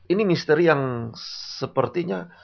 ini misteri yang sepertinya